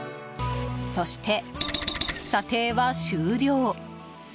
そして、査定は終了。